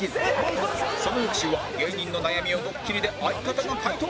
その翌週は芸人の悩みをドッキリで相方が回答！